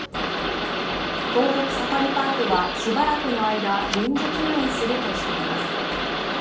東北サファリパークは、しばらくの間、臨時休園するとしています。